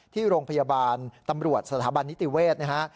ที่โรงพยาบาลตำรวจสถาบันนิติเวศนะฮะ